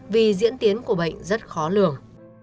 vì diễn tiến của bệnh rất khó lường